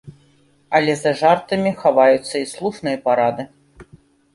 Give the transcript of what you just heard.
Але за жартамі хаваюцца і слушныя парады.